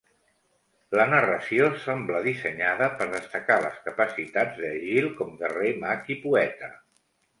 La narració sembla dissenyada per destacar les capacitats de Egill com guerrer, mag i poeta.